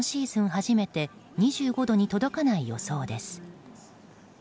初めて２５度に届かない予想です。